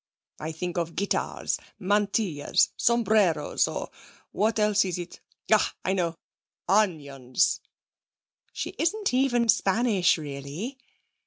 I think of guitars, mantillas, sombreros, or what else is it? Ah, I know onions.' 'She isn't even Spanish, really!'